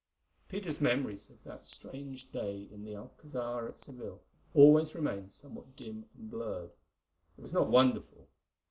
Peter's memories of that strange day in the Alcazar at Seville always remained somewhat dim and blurred. It was not wonderful.